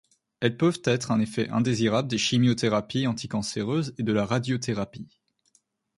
Elles peuvent être un effet indésirable des chimiothérapies anticancéreuses et de la radiothérapie.